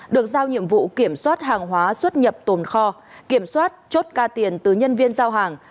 được giao nhiệm vụ kiểm soát hàng hóa xuất nhập tồn kho kiểm soát chốt ca tiền từ nhân viên giao hàng